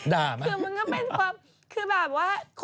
มาคำไปผุ่มตัวดูสิเห็นไหมเต็มที่มาก